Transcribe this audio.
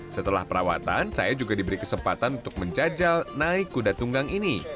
setelah perawatan saya juga diberi kesempatan untuk menjajal naik kuda tunggang ini